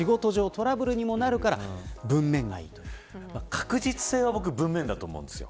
確実性は僕文面だと思うんですよ。